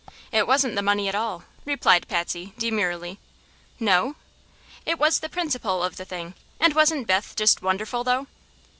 "It wasn't the money at all," replied Patsy, demurely. "No?" "It was the principle of the thing. And wasn't Beth just wonderful, though?"